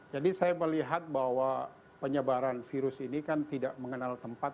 jadi saya melihat bahwa penyebaran virus ini kan tidak mengenal tempat